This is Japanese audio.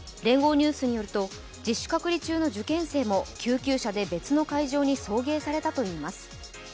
ニュースによると自主隔離中の受験生も別の会場に送迎されたといいます。